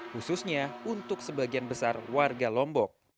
khususnya untuk sebagian besar warga lombok